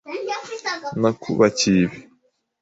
Nakubakiye ibi.